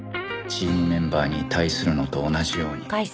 チームメンバーに対するのと同じように